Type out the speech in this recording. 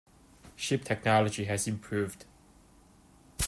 Ship technology has improved.